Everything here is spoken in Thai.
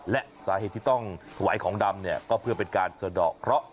และสาเหตุที่ต้องถวายของดำเนี่ยก็เพื่อเป็นการสะดอกเคราะห